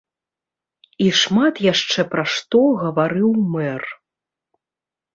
І шмат яшчэ пра што гаварыў мэр.